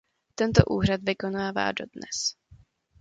Tento úřad vykonává dodnes.